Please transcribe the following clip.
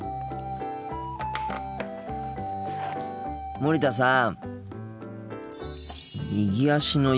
森田さん。